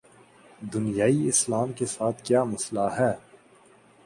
دنیائے اسلام کے ساتھ کیا مسئلہ ہے؟